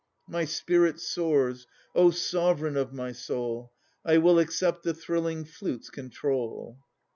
My spirit soars. O sovereign of my soul! I will accept the thrilling flute's control.